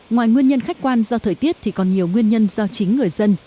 ngoài nguyên nhân khách quan do thời tiết thì còn nhiều nguyên nhân do chính người dân